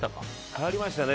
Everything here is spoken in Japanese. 変わりましたね。